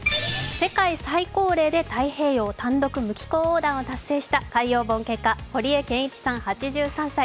世界最高齢で太平洋単独無寄港横断を達成した海洋冒険家・堀江謙一さん８３歳。